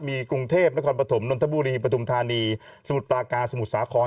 มีกรุงเทพนครปฐมนนทบุรีปฐุมธานีสมุทรปราการสมุทรสาคร